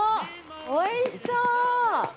おいしそう！